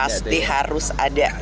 pasti harus ada